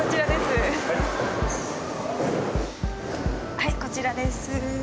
はいこちらです。